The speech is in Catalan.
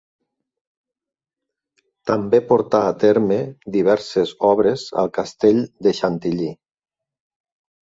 També portà a terme diverses obres al Castell de Chantilly.